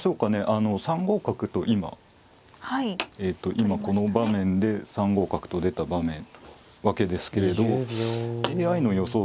あの３五角と今今この場面で３五角と出た場面わけですけれどＡＩの予想